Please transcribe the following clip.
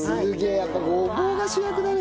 やっぱごぼうが主役だね